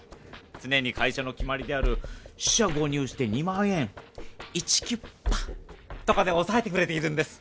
つねに会社の決まりである四捨五入して２万円イチキュッパ！とかでおさえてくれているんです！